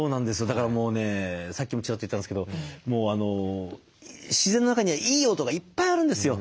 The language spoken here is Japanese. だからもうねさっきもチラッと言ったんですけど自然の中にはいい音がいっぱいあるんですよ。